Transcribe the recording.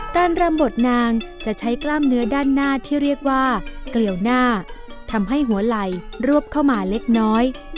รำบดนางจะใช้กล้ามเนื้อด้านหน้าที่เรียกว่าเกลี่ยวหน้าทำให้หัวไหล่รวบเข้ามาเล็กน้อย